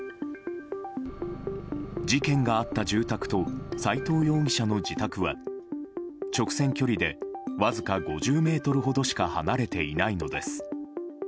事件があった住宅と斎藤容疑者の自宅は直線距離でわずか５０ｍほどしか離れていないのです。